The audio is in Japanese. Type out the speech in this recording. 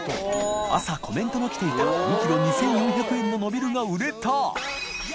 稍コメントの来ていた２ｋｇ２４００円のノビルが笋譴拭磴